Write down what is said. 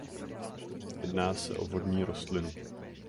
Jedná se vodní rostlinu.